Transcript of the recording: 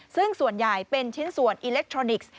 ซึ่งส่วนใหญ่เป็นชิ้นส่วนอิเล็กทรอนิกส์